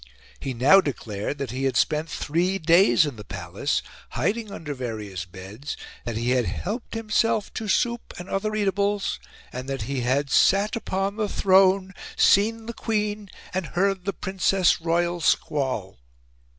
He now declared that he had spent three days in the Palace, hiding under various beds, that he had "helped himself to soup and other eatables," and that he had "sat upon the throne, seen the Queen, and heard the Princess Royal squall."